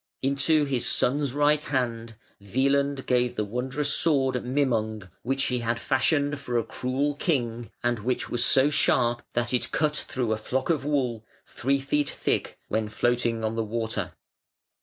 Into his son's right hand Wieland gave the wondrous sword Mimung, which he had fashioned for a cruel king, and which was so sharp that it cut through a flock of wool, three feet thick, when floating on the water.